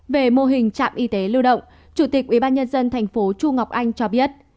về mô hình trạm y tế lưu động chủ tịch ubnd tp chu ngọc anh cho biết